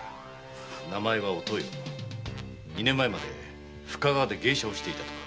名前は「お豊」二年前まで深川で芸者をしていたとか。